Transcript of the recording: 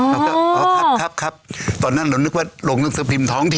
ครับครับครับตอนนั้นเรานึกว่าโรงหนังสือพิมพ์ท้องถิ่น